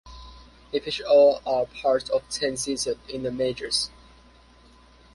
He pitched all or part of ten seasons in the majors.